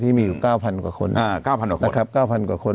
ที่มีอยู่เก้าพันกว่าคนอ่าเก้าพันกว่าคนนะครับเก้าพันกว่าคน